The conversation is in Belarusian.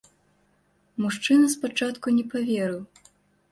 Мужчына спачатку не паверыў.